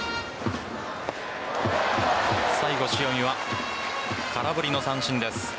最後、塩見は空振りの三振です。